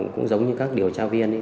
cũng giống như các điều tra viên ấy